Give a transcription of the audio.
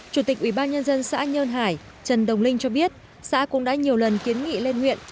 chủ tịch ubnd xã nhơn hải trần đồng linh cho biết xã cũng đã nhiều lần kiến nghị lên huyện